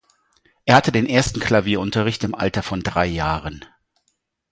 Er hatte den ersten Klavierunterricht im Alter von drei Jahren.